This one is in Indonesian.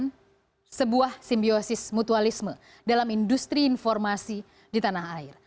merupakan sebuah simbiosis mutualisme dalam industri informasi di tanah air